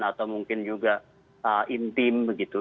atau mungkin juga intim begitu